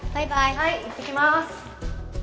はいいってきます。